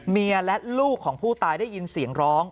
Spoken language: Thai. เมียและลูกของผู้ตายได้ยินเสียงร้อง